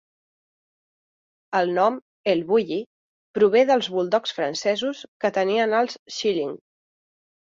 El nom "El Bulli" prové dels buldogs francesos que tenien els Schilling.